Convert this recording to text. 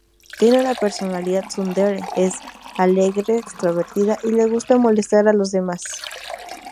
Tiene una personalidad Tsundere, es alegre, extrovertida y le gusta molestar a los demás.